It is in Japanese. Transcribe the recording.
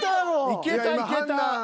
いけたいけた。